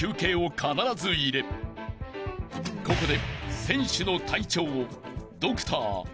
［ここで］